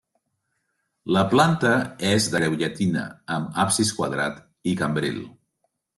La planta és de creu llatina amb absis quadrat i cambril.